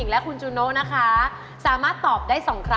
เลือกตอบอะไรคะ